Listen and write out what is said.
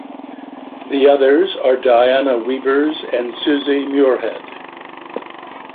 The others are Diana Weavers and Suzie Muirhead.